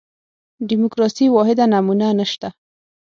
دیموکراسي واحده نمونه نه شته.